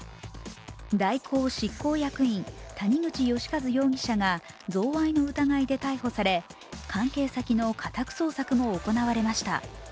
大広執行役員、谷口義一容疑者が贈賄の疑いで逮捕され、関係先の家宅捜索も行われました。